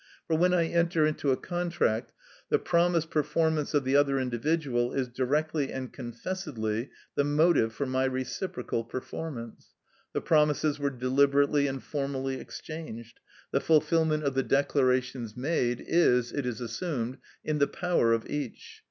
For when I enter into a contract, the promised performance of the other individual is directly and confessedly the motive for my reciprocal performance. The promises were deliberately and formally exchanged. The fulfilment of the declarations made is, it is assumed, in the power of each.